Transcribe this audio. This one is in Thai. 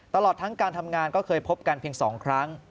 ตลอดทั้งการทำงานก็เคยพบกันเพียง๒ครั้ง